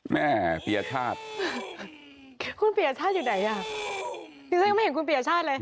แม่เปียร์ชาติคุณเปียร์ชาติอยู่ไหนนี่ฉันยังไม่เห็นคุณเปียร์ชาติเลย